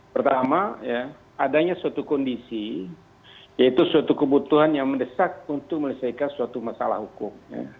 pertama adanya suatu kondisi yaitu suatu kebutuhan yang mendesak untuk melesaikan suatu masalah hukum